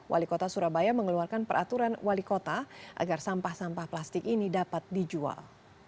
wali kota surabaya mengeluarkan peraturan wali kota agar sampah sampah plastik ini dapat dijual